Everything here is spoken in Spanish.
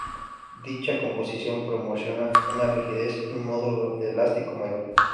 Dicha composición proporciona una rigidez y un módulo elástico mayor.